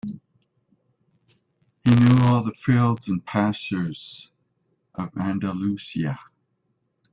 He knew all the fields and pastures of Andalusia.